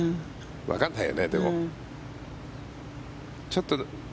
わからないよね、でもね。